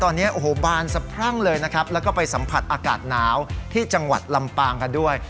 ตอนนี้โอ้โหบานสะพรั่งเลยนะครับแล้วก็ไปสัมผัสอากาศหนาวที่จังหวัดลำปางกันด้วย